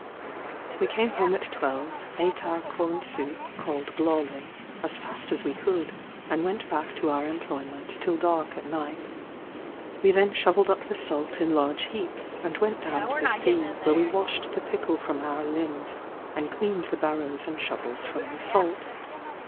We came home at twelve; ate our corn soup, called blawly, as fast as we could, and went back to our employment till dark at night. We then shovelled up the salt in large heaps, and went down to the sea, where we washed the pickle from our limbs, and cleaned the barrows and shovels from the salt.